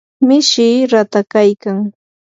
mishii ratakyaykan.